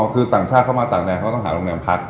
คือต่างชาติเข้ามาต่างแดนเขาก็ต้องหาโรงแรมพัก